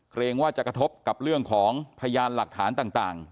เกรงว่าจะกระทบกับเรื่องของพยานหลักฐานต่าง